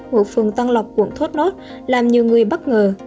ngục phường tân lộc quận thốt nốt làm nhiều người bất ngờ